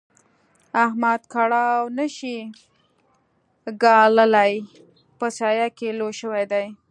احمد کړاو نه شي ګاللای؛ په سايه کې لوی شوی دی.